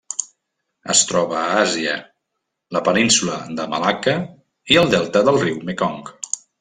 Es troba a Àsia: la Península de Malacca i el delta del riu Mekong.